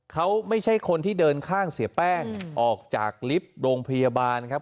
เขาไม่ใช่คนที่เดินข้างเสียแป้งออกจากลิฟต์โรงพยาบาลครับ